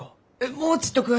もうちっと詳しく！